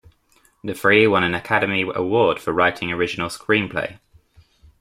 The three won an Academy Award for Writing Original Screenplay.